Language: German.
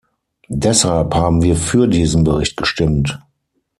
Deshalb haben wir für diesen Bericht gestimmt.